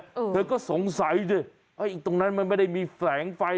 เธอก็สงสัยดิเอ้ยตรงนั้นมันไม่ได้มีแฝงไฟ